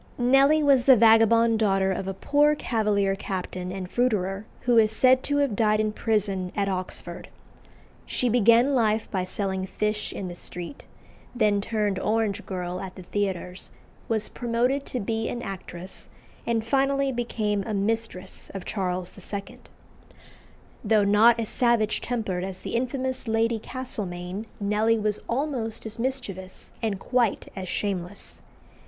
Nelly was the vagabond daughter of a poor Cavalier captain and fruiterer, who is said to have died in prison at Oxford. She began life by selling fish in the street, then turned orange girl at the theatres, was promoted to be an actress, and finally became a mistress of Charles II. Though not as savage tempered as the infamous Lady Castlemaine, Nelly was almost as mischievous, and quite as shameless.